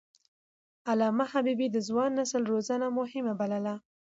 علامه حبيبي د ځوان نسل روزنه مهمه بلله.